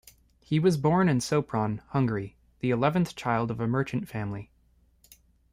He was born in Sopron, Hungary, the eleventh child of a merchant family.